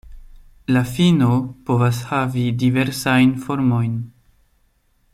La fino povas havi diversajn formojn.